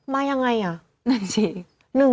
มายังไงอ่ะนั่นสิ